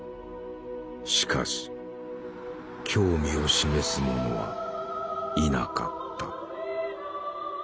しかし興味を示す者はいなかった。